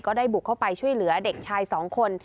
ได้บุกเข้าไปช่วยเหลือเด็กชาย๒คน